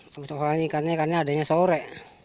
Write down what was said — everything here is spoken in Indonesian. terus orang ini ikannya adanya sore